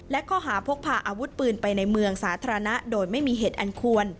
และข้อหาพกพาอาวุธปืนไปในเมืองสาธารณะโดยไม่มีเหตุอันควร